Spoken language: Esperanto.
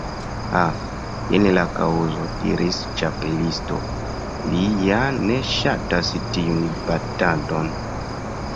"Ha, jen la kaŭzo," diris la Ĉapelisto. "Li ja ne ŝatas tiun batadon.